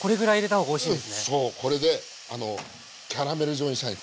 そうこれであのキャラメル状にしたい。